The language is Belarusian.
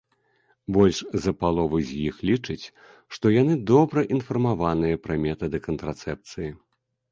Больш за палову з іх лічаць, што яны добра інфармаваныя пра метады кантрацэпцыі.